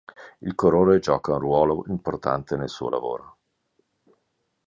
Il colore gioca un ruolo importante nel suo lavoro.